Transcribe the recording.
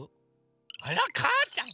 あらかーちゃん